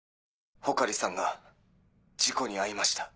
穂刈さんが事故に遭いました。